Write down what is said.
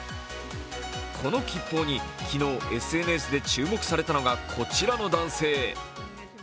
この吉報に、昨日ＳＮＳで注目されたのがこちらの男性。